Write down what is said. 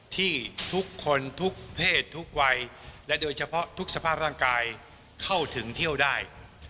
ที่ทุกคนทุกเพศทุกวัยและโดยเฉพาะทุกสภาพร่างกายเข้าถึงเที่ยวได้